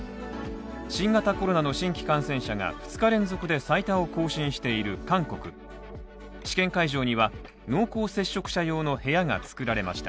新型コロナの新規感染者が２日連続で最多を更新している韓国試験会場には、濃厚接触者用の部屋が作られました。